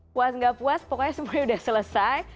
puas gak puas pokoknya semuanya udah selesai